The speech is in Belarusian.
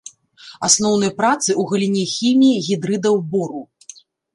Асноўныя працы ў галіне хіміі гідрыдаў бору.